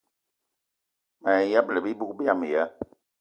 Mayi ṅyëbëla bibug biama ya